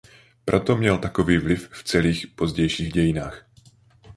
Proto měl takový vliv v celých pozdějších dějinách.